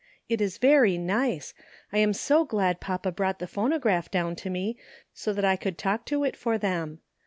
It is very nice ; I am so glad papa brought the phonograph down to me, so I could talk to it for them.